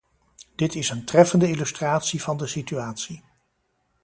Dit is een treffende illustratie van de situatie.